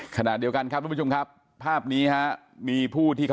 ขณะเดียวกันครับทุกผู้ชมครับภาพนี้ฮะมีผู้ที่เขา